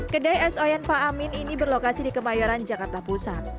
kedai es oyen pak amin ini berlokasi di kemayoran jakarta pusat